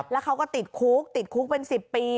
แล้วเขาก็ติดคุกติดคุกเป็น๑๐ปี